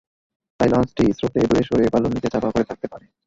তাই লঞ্চটি স্রোতে দূরে সরে বালুর নিচে চাপা পড়ে থাকতে পারে।